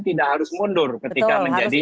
tidak harus mundur ketika menjadi